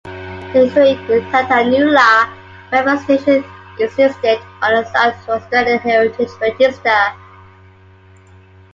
The historic Tantanoola railway station is listed on the South Australian Heritage Register.